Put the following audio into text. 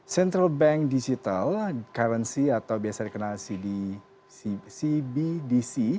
central bank digital currency atau biasa dikenal cbdc